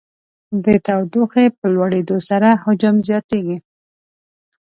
د تودوخې په لوړېدو سره حجم زیاتیږي.